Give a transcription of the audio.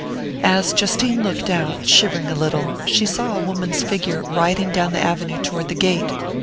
As Justine looked out, shivering a little, she saw a woman's figure riding down the avenue toward the gate.